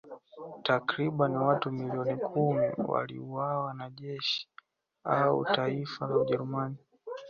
Takriban watu milioni kumi waliuawa na jeshi au taifa la Ujerumani